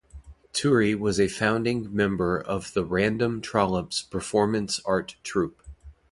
Turei was a founding member of the Random Trollops performance art troupe.